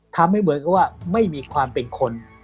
ทำให้เหมือนกับว่าไม่มีความเป็นคน